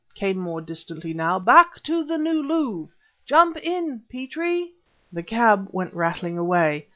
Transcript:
came more distantly now; "back to the New Louvre jump in, Petrie!" The cab went rattling away